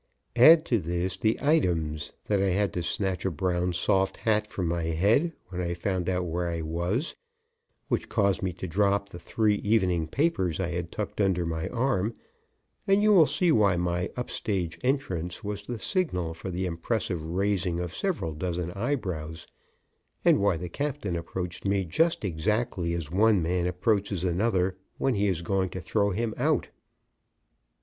Add to this the items that I had to snatch a brown soft hat from my head when I found out where I was, which caused me to drop the three evening papers I had tucked under my arm, and you will see why my up stage entrance was the signal for the impressive raising of several dozen eyebrows, and why the captain approached me just exactly as one man approaches another when he is going to throw him out.